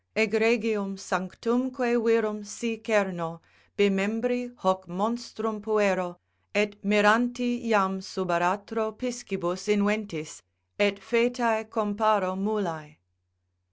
"Egregium sanctumque virum si cerno, bimembri Hoc monstrum puero, et miranti jam sub aratro Piscibus inventis, et foetae comparo mulae."